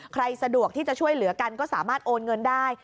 สะดวกที่จะช่วยเหลือกันก็สามารถโอนเงินได้